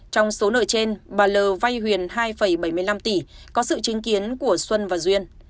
trong số nợ trên bà l vay huyền hai bảy mươi năm tỷ có sự chứng kiến của xuân và duyên